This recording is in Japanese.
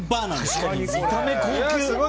確かに見た目高級！